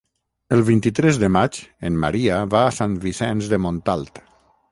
El vint-i-tres de maig en Maria va a Sant Vicenç de Montalt.